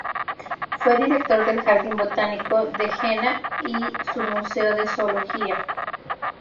Fue Director del Jardín Botánico de Jena y su Museo de Zoología.